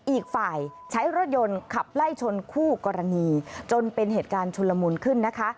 อีกฝ่ายใช้รถยนต์ขับไล่ชนคู่กรณีจนเป็นเหตุการณ์ชุนละมุนขึ้นนะคะ